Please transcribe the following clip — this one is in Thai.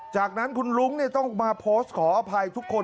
จากนั้นคุณลุ้งต้องมาโพสต์ขออภัยทุกคน